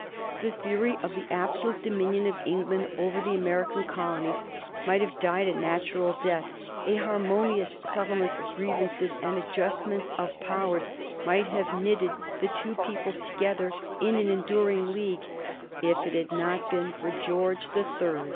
The theory of the absolute dominion of England over the American colonies might have died a natural death, a harmonious settlement of grievances and adjustment of powers might have knitted the two peoples together in an enduring league, if it had not been for George the Third.